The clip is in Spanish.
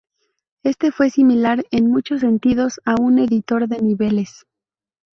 Este fue similar en muchos sentidos a un editor de niveles.